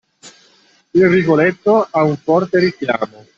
Il Rigoletto ha un forte richiamo.